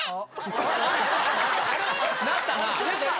鳴ったな！